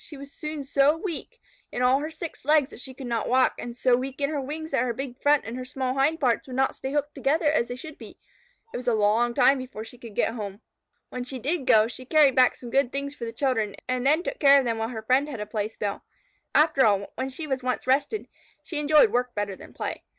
She was soon so weak in all her six legs that she could not walk, and so weak in her wings that her big front and her small hind pairs would not stay hooked together as they should be. It was a long time before she could get home. When she did go, she carried back some good things for the children, and then took care of them while her friend had a playspell. After all, when she was once rested, she enjoyed work better than play.